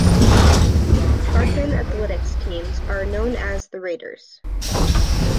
Sparkman athletics teams are known as the Raiders.